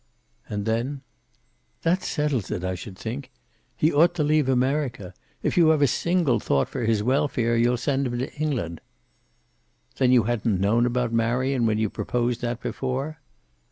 And then: "That settles it, I should think. He ought to leave America. If you have a single thought for his welfare you'll send him to England." "Then you hadn't known about Marion when you proposed that before?"